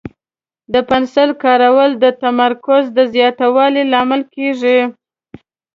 د پنسل کارول د تمرکز د زیاتوالي لامل کېږي.